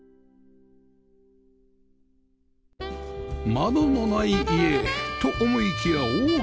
窓のない家と思いきや大きな窓